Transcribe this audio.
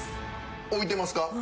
置いてますか？